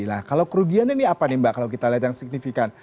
nah kalau kerugiannya ini apa nih mbak kalau kita lihat yang signifikan